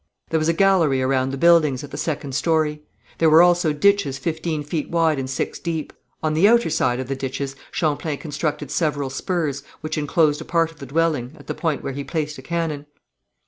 There was a gallery around the buildings, at the second story. There were also ditches fifteen feet wide and six deep. On the outer side of the ditches Champlain constructed several spurs, which enclosed a part of the dwelling, at the point where he placed a cannon.